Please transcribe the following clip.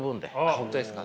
本当ですか。